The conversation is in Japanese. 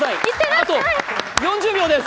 あと４０秒です。